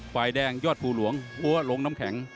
ฝ่ายแดงยอดภูหลวงหัวลงน้ำแข็ง